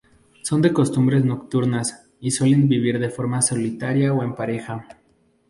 Son de costumbres nocturnas y suelen vivir de forma solitaria o en pareja.